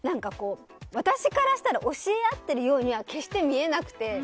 私からしたら教え合ってるようには決して見えなくて。